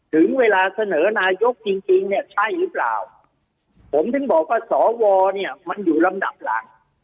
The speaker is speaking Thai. ถึงเวลาเสนอนายกจริงจริงเนี่ยใช่หรือเปล่าผมถึงบอกว่าสวเนี่ยมันอยู่ลำดับหลัง